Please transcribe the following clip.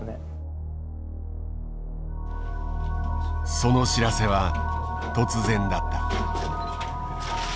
その知らせは突然だった。